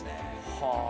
はあ。